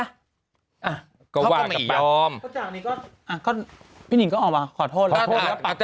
อ่ะเขาก็ไม่ยอมก็จากนี้ก็อ่ะก็พี่หนินก็ออกมาขอโทษแล้วขอโทษแล้ว